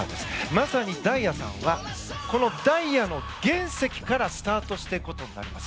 まさに大也さんはダイヤの原石からスタートしていくことになります。